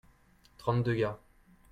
trente deux gars.